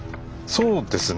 そうですね。